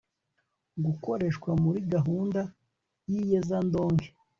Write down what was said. gukoreshwa muri gahunda y iyezandonke